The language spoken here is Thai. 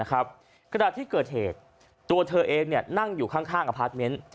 ขณะที่เกิดเหตุตัวเธอเองนั่งอยู่ข้างอพาร์ทเมนต์